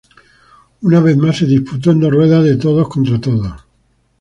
Una vez más se disputó en dos ruedas de todos contra todos.